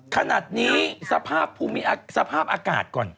ขนาดนี้สภาพอากาศก่อน